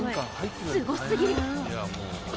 すごすぎる！